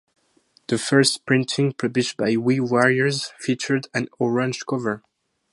The first printing published by Wee Warriors featured an orange cover.